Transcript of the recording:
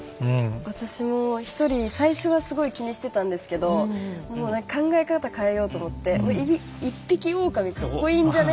私も一人、最初はすごい気にしてたんですけど考え方、変えようと思って一匹おおかみかっこいいんじゃね？